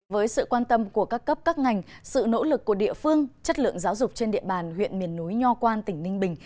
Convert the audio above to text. với sự quan tâm của các cấp các ngành sự nỗ lực của địa phương chất lượng giáo dục trên địa bàn huyện miền núi nho quan tỉnh ninh bình